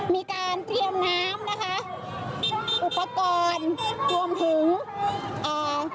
มีการเตรียมน้ำนะคะอุปกรณ์รวมถึงอ่า